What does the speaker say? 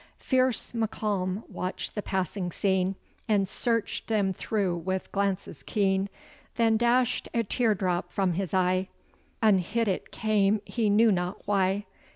Fierce Malcolm watch'd the passing scene, And search'd them through with glances keen; Then dash'd a tear drop from his eye; Unhid it came he knew not why.